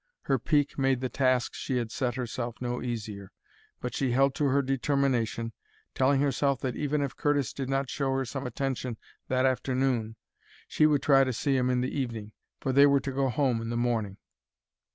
Her pique made the task she had set herself no easier; but she held to her determination, telling herself that, even if Curtis did not show her some attention that afternoon, she would try to see him in the evening. For they were to go home in the morning.